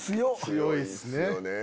強いっすね。